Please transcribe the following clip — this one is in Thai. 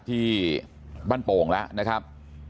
ที่บ้านโป่งแล้วนะครับ